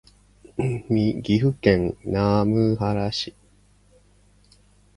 岐阜県各務原市